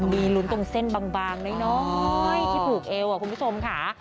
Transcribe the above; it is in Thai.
มีลุ้นตรงเส้นบางน้อยที่ผูกเอวคุณผู้ชมค่ะ